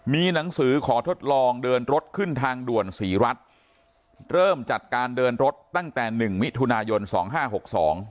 มีหนังสือขอทดลองเดินรถขึ้นทางด่วนศรีรัฐเริ่มจัดการเดินรถตั้งแต่หนึ่งมิถุนายนสองห้าหกสอง